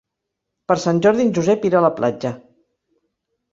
Per Sant Jordi en Josep irà a la platja.